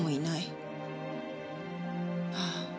ああ